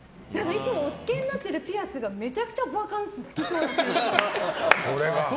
いつもおつけになっているピアスがめちゃくちゃバカンス好きそうで。